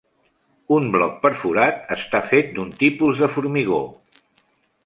Un bloc perforat està fet d'un tipus de formigó.